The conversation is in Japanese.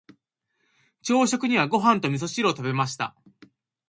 朝食にはご飯と味噌汁を食べました。